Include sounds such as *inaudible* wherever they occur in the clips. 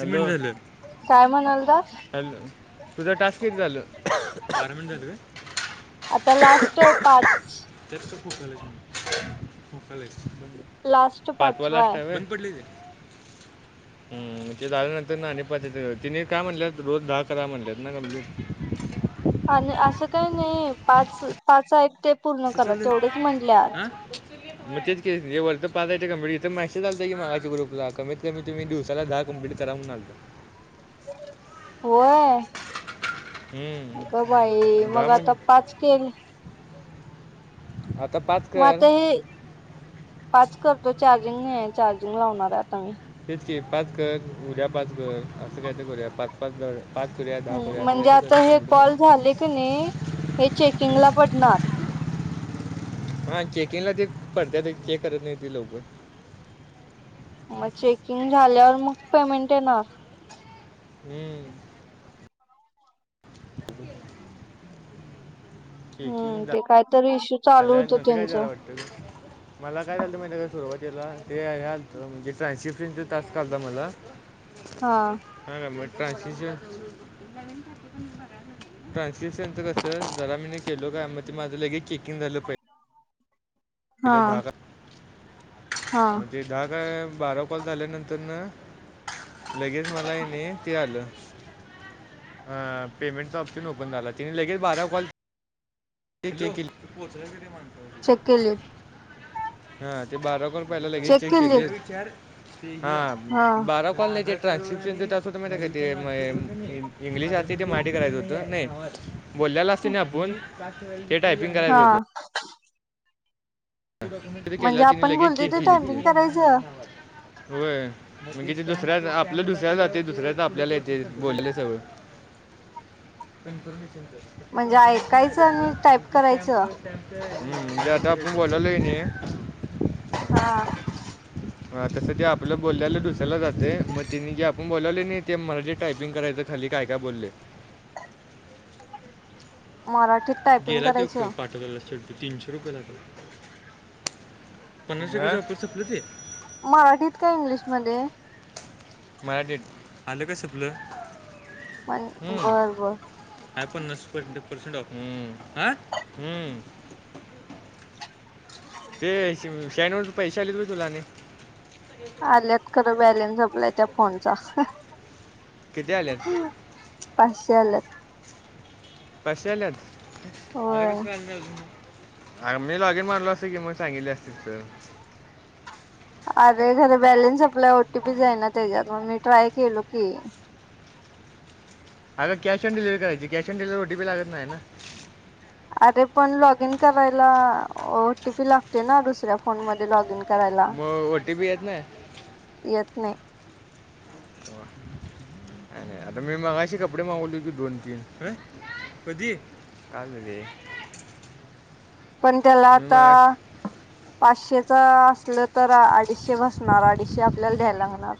Hello! काय म्हणालता hello! तझं टास्क कि झालं? बारा मिनिट झालं काय आता लास्ट पाच, खोक खोकले लास्ट पाचवा आहे लास्ट पडली. *inaudible* हम ते झाल्या नंतर ना आणि पाच तिने काय म्हणल्यात रोज दहा करा म्हणल्यात ना? आणि असं काही नाही पाच पाच एकटे मग तेच के वर तर पाच आहेत. मसेज आलं की मगाशी ग्रुपला कमीत कमी तुम्ही दिवसाला दहा कम्प्लीट करा म्हणून आलता. होय! ग हम्म, बाई दहा मग आता पाच केल हात मग आता हे पाच कर तो चार्जिंग नाही आहे चार्जिंग लावणार आहे आता मी चे पाच कर उद्या पाच कर असं का करूया पाच पाच जड ह म्हणजे आता हे कॉल झाले की नाही हे चेकिंगला प नर हा चेकिंगला ते पडत्या ते ज कर त लोक मग चेकिंग झाल्यावर मग पेमेंट येणार हम्म हम्म चेकिंग ते कायतरी इश्यू चालू होत झाल्यानंतर काय त्यांचं झालं वाटतं ते? मला काय चालतं माहि का सुरुवातीला तेल म्हणजे ट्रशिफ्टिंग तासचालता मला हा कांचीच्या ट्रान्सलेशनच कस जरा मी केलो काय मग माझं लगे क किंद ल प हा पल धाका हा म्हणजे दहा काय बारा कॉल झाल्यानंतर ना लगेच मला आहे नाही ते आलं अ पेमेंटचा ऑप्शन ओकन झाला तिने लगेच बारा कॉल ील चेक केले हा ते बारा कर पहियला लगेच चेक केली हा बारा कॉलेलेज ए ट्रची होत माहि का ते इंग्लिश आथे माठी करायचं होतं नाही बोललेला असत ना आपण ते टायपिंग हा करायचं होतं केला म्हणजे तिने आपण लगेच बोलतोय ते केक लिली टायपिंग करायचं होय म्हणजे ते दुसऱ्या आपलं दुसऱ्या जाते दुसऱ्यात आपल्याला येते बोललेले सगळं ह पणकर ऐकायचं आणि टाईप करायचं *unintelligible* े वाला लणे हा तसं ते आपलं बोलाल्यायला दुसरयला जाते मग त्यािने जे आपण बोलावले नाही ते मला जे टायपिंग करायचं खर ली काय काय बोलले *inaudible* मराठीत टायपिंग गेला ते करायचं पाठवलाे तीनशे रुपये लागला पंराशे हार रुपये संपले ते मराठीत का इंग्लिशमध्ये मराठीत आलं का सुपलं म बर बर काय पन्नास पंट पसेंटफम ह हम् ते श्याणू पैशाले त तुलाने आल्यात खरं बॅलन्स आपपला त्या फोनचा किती आल्यात पा्ल कसे आल्यात मला होय कस आलं अ मी लॉगिन मारलो असते की मग सांगितले असतील तर अरे खर बॅलेन्स आपल्या ओटीपीच आहे ना त्याच्यातून मी ट्राय केलो की अग कॅश ऑन डिलव्ही करायची कॅश ऑन डिलव्हवर ओडीपी लागत नाही ना अरे पण लॉग इन करायला ओटीपी लागते ना दुसऱ्या फोन म लॉग इन करायला मग ओ टी पी येत नाही येत नाही नाही आता मी मगाशी कपडे मागवले हो की दोन तीन कधी कालते पण त्याला आता पाचशेच असलं तर अडीचशे बसणार अडीचशे आपल्याला द्यायला लागणार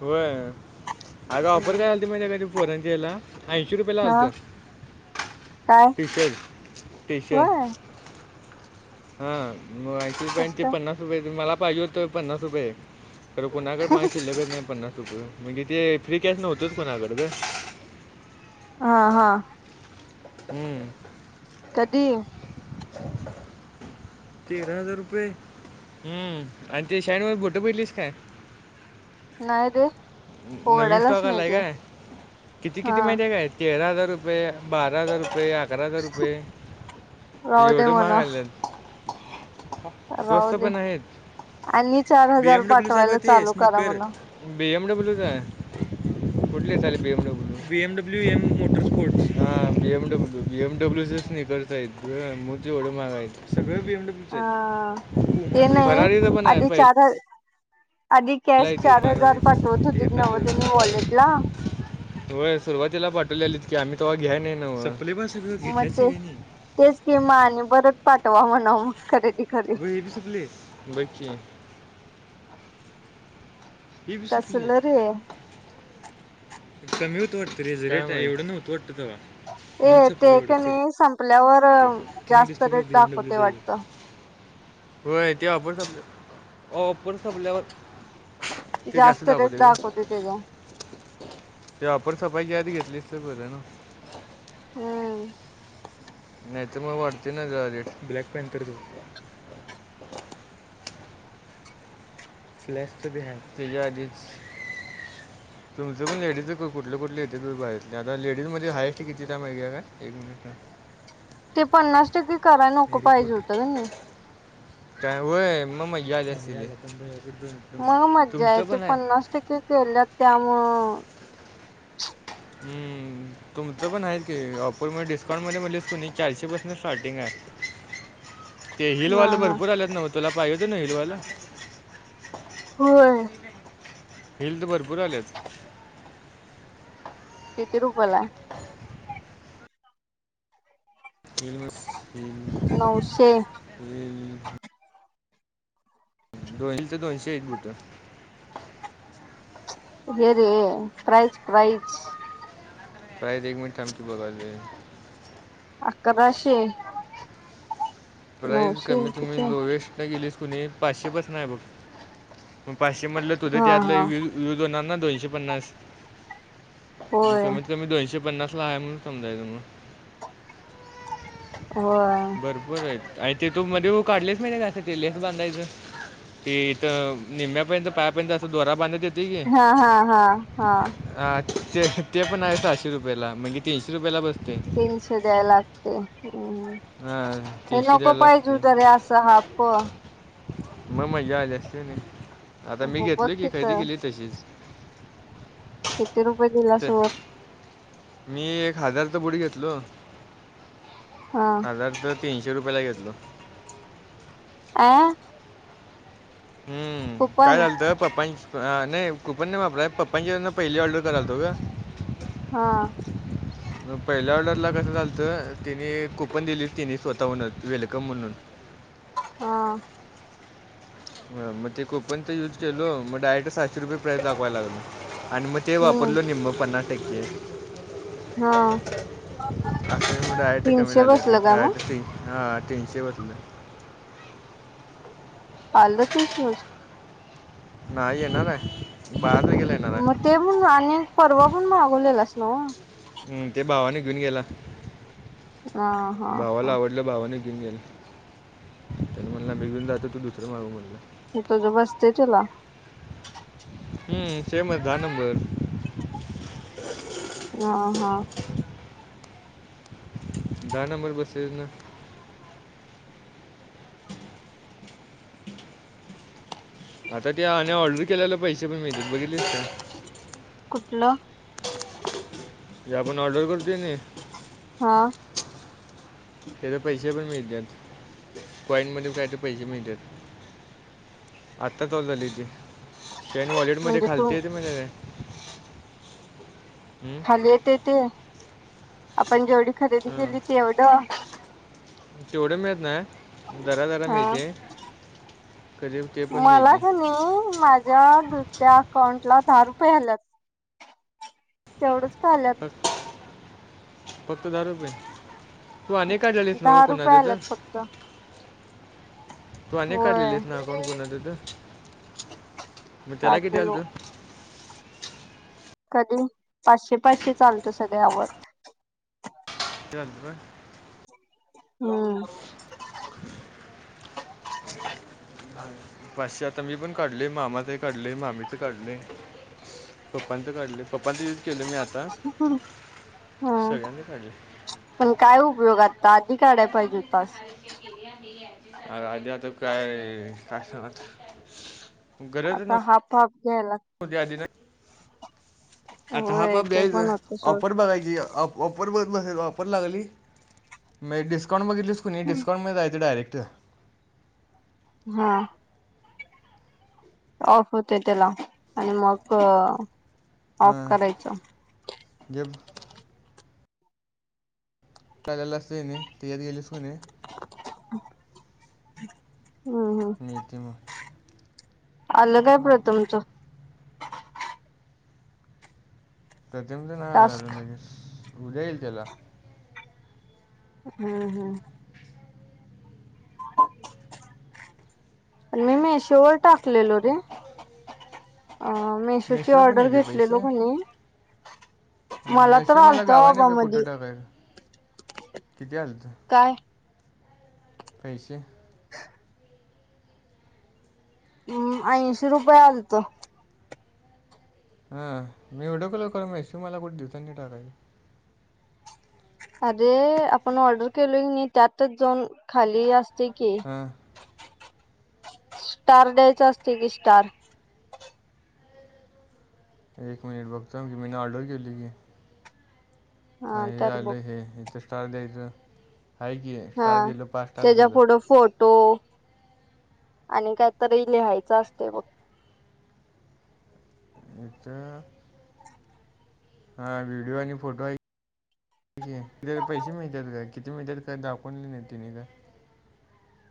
होय आता ऑफर काय झाल त माणझ्या का पोरांची याला ऐंशी रुपये हा लाल तर काय टी शर्ट होय टीशर्ट हा ऐंशी कसं रुपयांची काय पन्नास रुपये मला पाहिजे होतोय पन्नास रुपये तर कोणाकडे माझ खिल्लेक नाही पण म्हणजे ते फ्री कॅस नव्हतच कोणाकड हा हा हम्म कधी तेरा हजार रुपये हम्म आणि ते शाणवर भोट पहिलीस काय नायेते नवीन स्टॉक आलाय काय किती हा किती माहिती आहे काय तेरा हजार रुपये बारा हजार रुपये अकरा हजार रुपये राहू दे एवढ महाग म्हणा आललेत राहू स्वस्त दे पण आहेत आणि चार बी हजार एम डब्ल्यू चा पाठवायला ते चालू करा स्निकर म्हणा बी एमडब्ल्यू का कुले चाले बीएमडब्ल्यू बीएमडब्ल्य मोट स्पोर्ट हा बएमडब्ल्यू बीएमडब्ल्यू करताये मोतीवढ मागा आहेत सगळे भीमड हा ते आहेत नाही फरारीच पण आहे आधी पहिले चार ह आधी ला कॅश चार हजार पाठवत होतीत नव्ह त्यांनी वॉलेटला होय सुरुवातीला पाठवलेलीत की आम्ही तेव्हा घ्याय नाही ना म म ते तेच केिमा आणि बरंच पाठवा म्हणा खरे बस पलीस बाैकी ही बी सपली कसल रे कमी होत वाटतं रे रेट एवढं नव्हतं वाटतं तेव्हा ये म्हणून ते सपलं एवढं का नाही सगळं संपल्यावर त्यांना जास्त रेट दाखवते वाटत हो ते आपण संपल्यापण संपल्यावर ते जास्त रेट दाखवते का दाखवत तज ते वापरसफाईी याध घेतलीस तर बर ना हम् नाही तर मग वाढते ना ब्लॅक पेंट तर त फ्लॅश त हते आच *inaudible* तुमचं पण डीज कुठले कुठले येतेु्हीहेरले आता लेडीज मध्ये हाएस्ट किती टय माहिे का एक मिनिट ते पन्नास टक्के कराय नको हॅरी पाहिजे होतं पॉटर का नाही काय वय मग मजा मग मज्जा तुमचं ते पण आहे हो हम्म, *inaudible* तुमचं पण आहे की ऑफर म डिस्काउंट मध्ये मज सनी चारशे पसेंट स्टार्टिंग आहे *inaudible* ते हा हिलवाल हा भरपूर आलेत ना म तुला पाहिेेत ना हिलवालं हो हिल तर भरपूर आल्याच किती रुपला ह नऊशे ह ह दोन ते दोनशे एक बुट *inaudible* हे रे प्राईज -प्राईज प्राईज एक मिनिट थांब की बघालोय *inaudible* अकराशे प्राईस नऊशे कमी तुम्ही किती लोएस्ट गेली कुणी पाचशे पसन हाय बघ म पाचशे मधलं तुझं हा त्यातलं हा यूज होणार ना दोनशे पन्नास, आणि होय कमीत- कमी दोनशे पन्नास सलाय म्हणून समजायच म *inaudible* होय भरपूर आहेत *inaudible* आणि ते तू मध्ये काढलेस बघ ते लेस बांधायचं *inaudible* *inaudible* ते इथं निम्यापर्यंत पायापर्यंत असं दोरा बांधेत हा- हा- हा -हा-हा हा, ते - *inaudible* ते पण आहे सहाशे रुपयाला म्हणजे तीनशे रुपयाला बस तीनशे द्याय लागतय. हम्म हां हे तीनशे नको द्यायला पाहिजेत लागते हुत रे असं हाप्प... मग *inaudible* मज्जा आली असती कनी आता मी हो बघ घेतलो की कित खरेदी केली तशीच किती रुपये दिलास तर वर? मी एक हजारच बूट घेतलो हा हजारच तीनशे तीनशे रुपयाला घेतलो आं हम्म काय झालतं पप्पा अ नाही कुपन नाही वापरत पप्पांच्यावरन पहिली ऑर्डर करालतो ग *inaudible* हा मग *inaudible* पहिल्या ऑर्डरला कसं झालतं तेनी कुपन दिलीत तेनी स्वतः म्हूणच वेलकम म्हणून हा मग ते कोपन तर युज केलो मग डायरेक्ट सातशे रुपये प्राईज दाखवाय लागल *inaudible* आणि *inaudible* मग ते हम्म वापरलो निम्म पन्नास टक्के हा *inaudible* अस म डायरेक्ट कमी तीनशे झाल ते बसलं का मग डायरेक्ट ते हा *inaudible* तीनशे वरल *inaudible* पाल त शू *unintelligible* नाही येणार हाय *inaudible* मग ते पण आणि परवा पण मागवलेलास नव्ह हम्म ते भावान घेऊन गेला हा हा भावाला हा आवडलं भावान घिऊन गेला त्यान म्हटंला मी घिऊन जातो तू दुसरं मागव म्हटंला *inaudible* हे तूज बसतय तूला? हम्म *inaudible* सेमच दहा नंबर *unintelligible* हा-हा दहा नंबर बसेस न *inaudible* हह *inaudible* आता ते आणि ऑर्डर केल्याल पैशे पण मिळत्यात बघितलीस काय? *inaudible* कुठलं? *inaudible* जे आपण ऑर्डर करतोय कने *inaudible* हा तेज पैशे पण मिळत्यात कॉईंन *inaudible* मध्ये काय तर पैशे मिळत्यात आता चालू झालय ते शेन -वॉलेट मध्ये म्हणजे तू खालती येतय माहिती हाय काय *inaudible* हं? खाली येतय ते आपण जेवढी खरेदी केली तेवढं *inaudible* तेवढ मिळत नाय *inaudible* जरा -जरा हा मिळतय *inaudible* मला का नाही माझ्या दुसऱ्या अकाउंटला दहा रुपये आल्यात. तेवढंच का आल्यात? फक्त फक्त दहा रुपये? *inaudible* तू अनेक काढलेलीस नव्ह दहा रुपये कोणाच तर? आल्यात फक्त *inaudible* तू अनेक होय काढलेलीस ना अकाऊंट कोणाच तर *inaudible* मग त्याला किती आलत काढलेलो कधी पाचशे पाचशे चालतं सगळ आवड त का हम्म हो ह पाशी आता मी पण काढले मामा ते काढले मामीच काढले पप्पांचं काढले पप्पांचं यूज केलं मी आ हम काढले पण काय उपयोगात त आधी काढाय पाहिजे तास अ आधी आता काय कायत आता हाफ हाफ घ्याय आधी ना लागते आता हा प ते पण ब्याच होत सोड अपर बघ की वापर बघ ब वापर लागली मग डिस्काउंट बघितलीच कुणी डिस्काउंटमध्ये जायचं डायरेक्ट कत्ष्ट्या हा ऑफ होते त्याला आणि मग ऑफ करायचं जब ला अस देणे तयात गेलीस कोणे हम्म हम् नितीम आलं काय प्रथमच प्र तेमध्ये नाही आला टास्क अजून, उद्या येईल त्याला. हम्म, हम्म, *inaudible* पन मी मीशो वर टाकलेलो रे. अ मेशोची मेशो पण ऑर्डर येते घेतलेलो क नै, मिशू मला गावाय बाबा नै कुठं मधी टाकाय. किती आलंत? काय पैसे. हम्,, ऐंशी रुपये आलतं. हा,, मी व्हिडिओ कॉल कर मसेज मला कुठे दिवसांनी टाकायची. अरे, आपण आर्डर केलोय नै, त्यातच जाऊन खाली असऽ ते की. हां स्टार डेच असतय की स्टार. एक मिनिट बघतो अं, मी मीन ऑर्डर केलोय की. हा, हे त्यात बघ आलं हे इथं स्टार द्यायचं. आहेा की, एक स्टार दिल, पाच स्टार दिलं. ो, आणि कायतरी लिहायच असतय बघ. इथ, हा व्हिडिओ आणि फोटोय,, ठी पैसे मिळतात काय? किती मिळतात का या ते दाखवले नाही तुने काऽ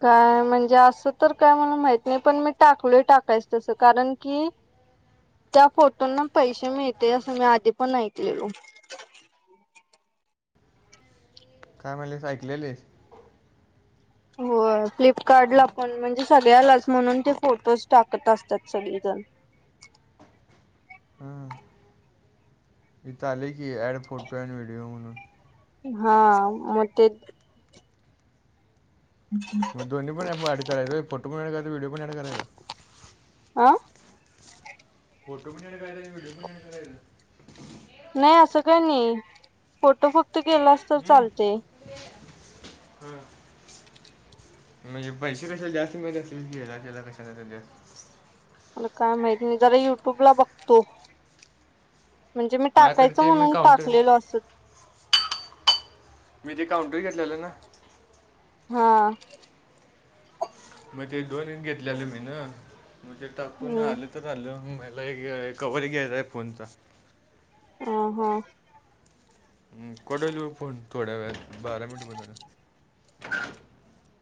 काय म्हणजे असं तर काय मला माहित नाही,, पण मी टाकलोय टाकायच तसं, कारण कीऽ त्या फोटोंना पैसे मिळत्यात, असं मी आधी पण ऐकलेलो. हम्, काय म्हणलीस, ऐकलेलीस. होय, फ्लिपकार्टला पण म्हणजे सगळ्यालाच, म्हणून ते फोटोज टाकत असतात सगळी. *inaudible* हम, इथ आलेय की ऍड फोटो अंड व्हिडिओ म्हणून. हा, मोठेऽ मग दोन्ही पण ऍड करायच वय फोटो पण एॅड करायचा, व्हडिओ पण ऍड करायचा. हा फोटो पण ऍड करायच आनी विडिओ पण ऍड कारायच. नाय. नाही, असं काही नाही, फोटो फक्त केलास तर चालतय. हम,. म्हणजे पैसे कशाला जास्त मिळत्यात *unintelligible* मला काय माहिती नाही, जरा युट्यूब ला बघतो. म्हणजे मी माझ्याकडे टाकायच ते मी म्हणून काउंटर टाकलेलो असच, मी ते काउंटर घेतलेलं ना. हा, मग ते दोन घेतल्याल मी न, मग ते टाकतून हम्म आलं तर आलं. लय ग कव्हर गेलाय फोनचा. अ हा, हम,, कडलीऊ फोन, थोड्या वेळात बारा मिनट पलाऽ